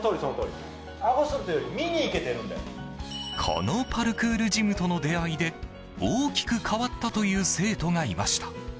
このパルクールジムとの出会いで大きく変わったという生徒がいました。